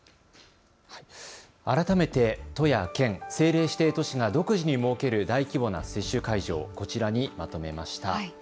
改めて都や県、政令指定都市が独自に設ける大規模な接種会場、こちらにまとめました。